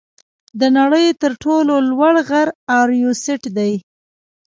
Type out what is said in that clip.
د نړۍ تر ټولو لوړ غر ایورسټ دی.